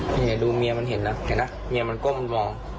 นี่ไงดูเมียมันเห็นนะเห็นไหมเมียมันก้มวอ